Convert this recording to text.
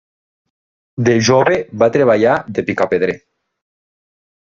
De jove va treballar de picapedrer.